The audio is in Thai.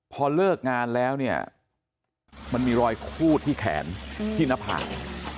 พอเลิกงานแล้วเนี่ยมันมีรอยคูดที่แขนที่หน้าผาก